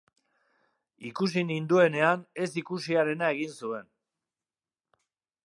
Ikusi ninduenean, ez ikusiarena egin zuen.